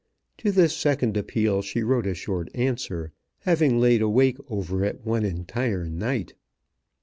To this second appeal she wrote a short answer, having laid awake over it one entire night.